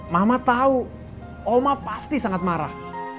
mama tahu oma pasti sangat marah